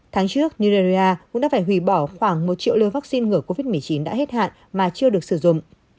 tháng trước nigeria cũng đã phải hủy bỏ khoảng một triệu liều vaccine ngừa covid một mươi chín đã hết hạn mà chưa được sử dụng